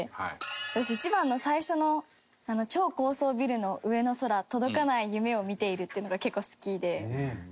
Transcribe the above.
私１番の最初の「超高層ビルの上の空届かない夢を見てる」っていうのが結構好きで。